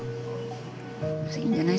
いいんじゃない？